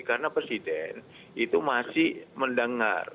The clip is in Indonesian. karena presiden itu masih mendengar